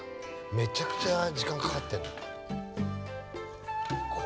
めちゃくちゃ時間かかってるな。